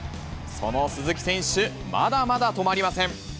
その鈴木選手、まだまだ止まりません。